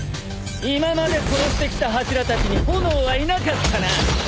今まで殺してきた柱たちに炎はいなかったな。